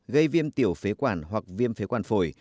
gây viêm tiểu phế quản hoặc viêm phế quản phổi